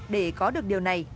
để có được điều này